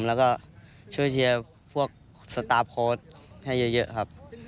แล้วก็ช่วยเชียร์พวกสตาร์ฟโค้ดให้เยอะครับ